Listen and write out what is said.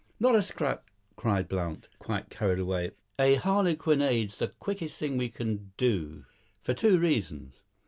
"Not a scrap," cried Blount, quite carried away. "A harlequinade's the quickest thing we can do, for two reasons.